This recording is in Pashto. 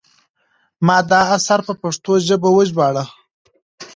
ما دا اثر په پښتو ژبه وژباړه.